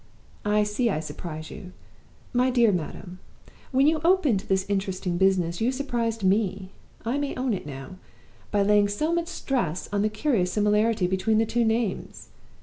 I see I surprise you. My dear madam, when you opened this interesting business you surprised me I may own it now by laying so much stress on the curious similarity between the two names.